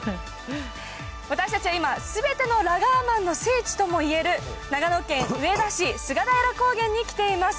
私たちは今、すべてのラガーマンの聖地ともいえる長野県上田市、菅平高原に来ています。